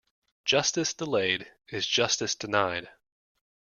Justice delayed is justice denied.